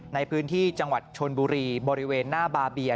ในพื้นที่จังหวัดชนบุรีบริเวณหน้าบาเบีย